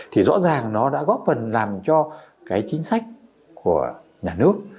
thì rõ ràng nó đã góp phần làm cho cái chính sách của nhà nước